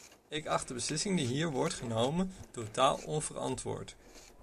Ik acht de beslissing die hier wordt genomen, totaal onverantwoord.